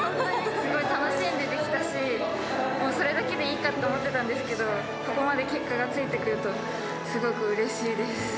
すごい楽しんでできたし、それだけでいいかって思ってたんですけど、ここまで結果がついてくると、すごくうれしいです。